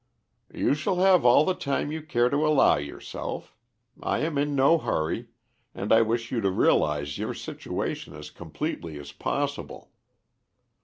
"You shall have all the time you care to allow yourself. I am in no hurry, and I wish you to realise your situation as completely as possible.